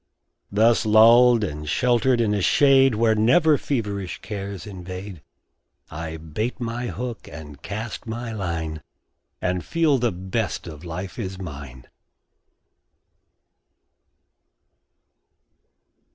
Thus lulled and sheltered in a shade Where never feverish cares invade, I bait my hook and cast my line, And feel the best of life is mine.